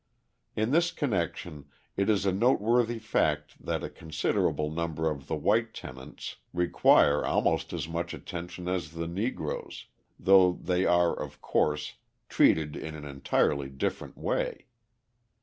In this connection it is a noteworthy fact that a considerable number of the white tenants require almost as much attention as the Negroes, though they are, of course, treated in an entirely different way.